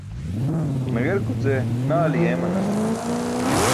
Nagerkuce naali eemanas.